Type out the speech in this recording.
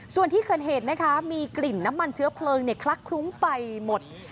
ส่วนที่เกิดเหตุนะคะมีกลิ่นน้ำมันเชื้อเพลิงคลักคลุ้งไปหมด